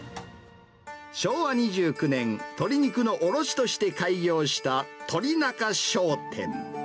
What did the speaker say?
昭和２９年、鶏肉の卸として開業した鳥仲商店。